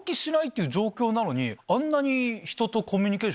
あんなに。